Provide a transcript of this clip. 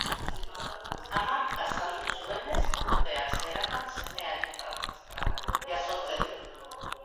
Amak azaldu zuenez, urteak zeraman semearen tratu txarrak jasotzen.